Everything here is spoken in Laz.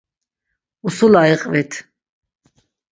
Usula iqvit.